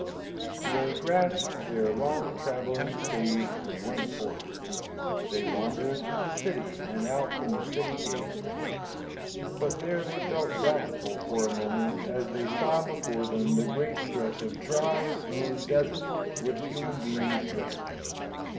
"They grasped their long traveling staves and went forth. They wandered through the city and out from the city gate; but there they felt doubtful for a moment as they saw before them the great stretch of dry, smooth desert, which human beings dread.